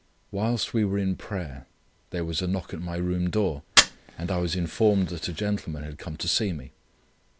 WHILST WE WERE IN PRAYER, there was a knock at my room door, and I was informed that a gentleman had come to see me.